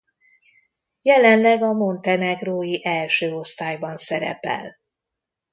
Jelenleg a montenegrói első osztályban szerepel.